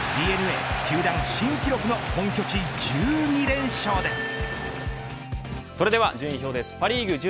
ＤｅＮＡ、球団新記録の本拠地１２連勝です。